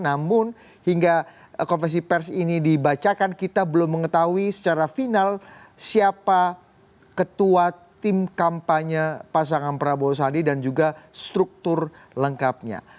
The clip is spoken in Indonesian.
namun hingga konversi pers ini dibacakan kita belum mengetahui secara final siapa ketua tim kampanye pasangan prabowo sandi dan juga struktur lengkapnya